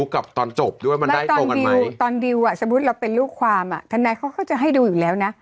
เขาก็จะให้ดูอยู่แล้วนะ